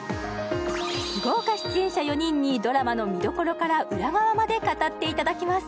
豪華出演者４人にドラマの見どころから裏側まで語っていただきます